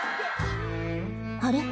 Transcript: あれ？